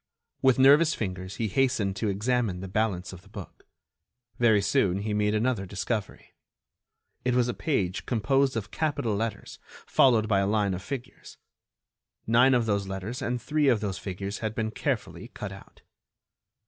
With nervous fingers he hastened to examine the balance of the book. Very soon he made another discovery. It was a page composed of capital letters, followed by a line of figures. Nine of those letters and three of those figures had been carefully cut out.